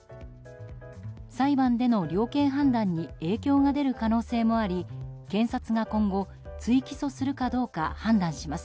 裁判での量刑判断に影響が出る可能性もあり検察が今後、追起訴するかどうか判断します。